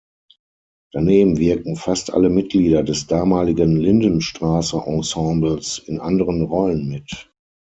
Daneben wirken fast alle Mitglieder des damaligen Lindenstraße-Ensembles in anderen Rollen mit.